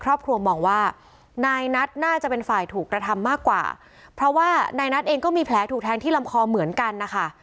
ครอบครัวมองว่านายนัทน่าจะเป็นฝ่ายถูกกระทำมากกว่าเพราะว่านายนัทเองก็มีแผลถูกแทงที่ลำคอเหมือนกันนะคะ